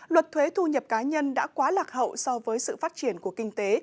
luật thuế thu nhập cá nhân đã quá lạc hậu so với sự phát triển của kinh tế